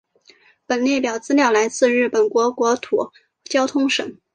本列表资料来自于日本国国土交通省。